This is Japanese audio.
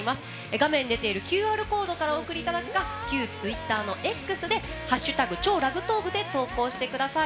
画面に出ているＱＲコードからお送りいただくか旧ツイッターのＸで「＃超ラグトーク」で投稿してください。